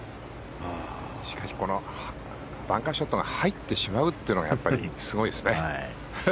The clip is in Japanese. バンカーショットが入ってしまうというのがやっぱりすごいですね。